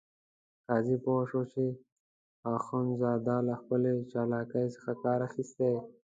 قاضي پوه شو چې اخندزاده له خپلې چالاکۍ څخه کار اخیستی.